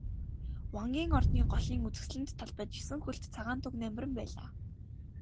Вангийн ордны голын үзэсгэлэнт талбайд есөн хөлт цагаан туг намиран байлаа.